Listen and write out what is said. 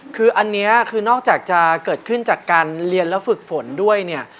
คืออันนี้คือนอกจากจะเกิดขึ้นจากการเรียนแล้วฝึกฝนด้วยเนี่ย